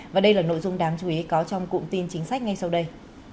và đây là nội dung đáng chú ý có trong cụm tin chính sách ngay sau đây